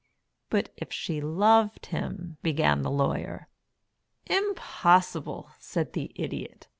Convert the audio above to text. "But if she loved him " began the Lawyer. "Impossible," said the Idiot.